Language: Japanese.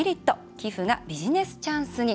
寄付がビジネスチャンスに」。